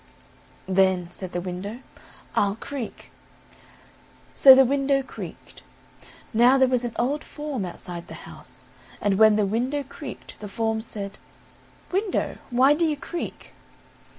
"Then," said the window, "I'll creak," so the window creaked. Now there was an old form outside the house, and when the window creaked, the form said: "Window, why do you creak?"